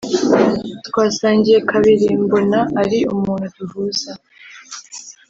Twasangiye kabiri mbona ari umuntu duhuza